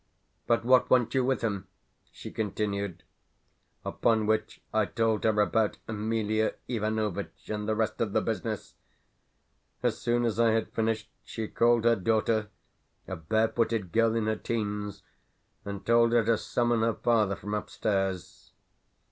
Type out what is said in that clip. "But what want you with him?" she continued; upon which I told her about Emelia Ivanovitch and the rest of the business. As soon as I had finished, she called her daughter a barefooted girl in her teens and told her to summon her father from upstairs.